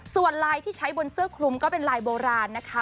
ส่วนลายที่ใช้บนเสื้อคลุมก็เป็นลายโบราณนะคะ